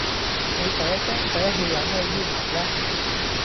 你嗲聲嗲氣有咩要求呢?